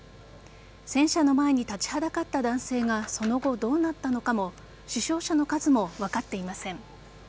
戦車の前に立ちはだかった男性がその後どうなったのかも死傷者の数も分かっていません。